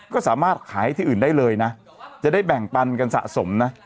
ก็สามารถขายที่อื่นได้เลยนะจะได้แบ่งปันกันสะสมนะ